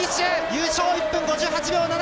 優勝、１分５８秒７２。